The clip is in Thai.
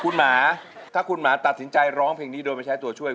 คุณหมาถ้าคุณหมาตัดสินใจร้องเพลงนี้โดยไม่ใช้ตัวช่วย